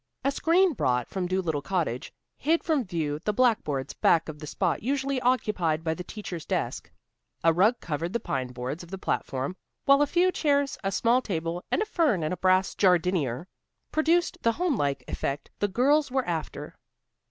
A screen brought from Dolittle Cottage hid from view the blackboards back of the spot usually occupied by the teacher's desk. A rug covered the pine boards of the platform, while a few chairs, a small table and a fern in a brass jardinier produced the homelike effect the girls were after.